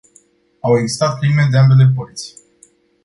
Au existat crime de ambele părți.